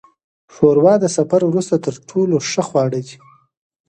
ښوروا د سفر وروسته تر ټولو ښه خواړه ده.